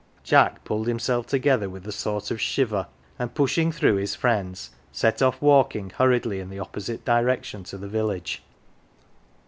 " Jack pulled himself together with a sort of shiver, and pushing through his friends, set off walking hurriedly in the opposite direction to the village.